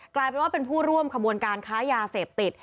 กลายเป็นว่าเป็นผู้ร่วมขบวนการค้ายาเสพติด